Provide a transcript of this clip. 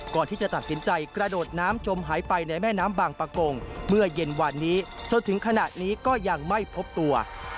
ก่อนที่จะตัดสินใจกระโดดน้ำจมหายไปในแม่น้ำบางประกงเมื่อเย็นวานนี้จนถึงขณะนี้ก็ยังไม่พบตัว